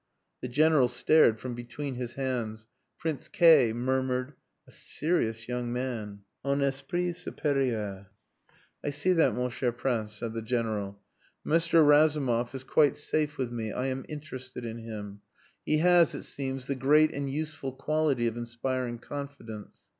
The General stared from between his hands. Prince K murmured "A serious young man. Un esprit superieur." "I see that, mon cher Prince," said the General. "Mr. Razumov is quite safe with me. I am interested in him. He has, it seems, the great and useful quality of inspiring confidence.